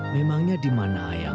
memangnya di mana ayah